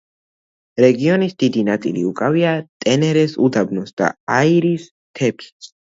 რეგიონის დიდი ნაწილი უკავია ტენერეს უდაბნოს და აირის მთებს.